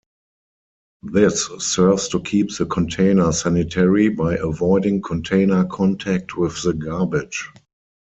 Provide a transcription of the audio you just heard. This serves to keep the container sanitary by avoiding container contact with the garbage.